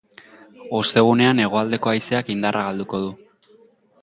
Ostegunean hegoaldeko haizeak indarra galduko du.